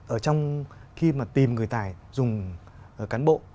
ở trong khi mà tìm người tài dùng cán bộ